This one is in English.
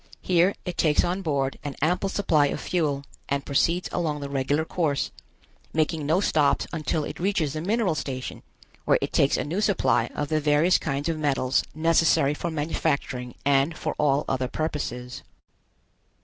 Here it takes on board an ample supply of fuel and proceeds along the regular course, making no stops until it reaches the mineral station where it takes a new supply of the various kinds of metals necessary for manufacturing and for all other purposes.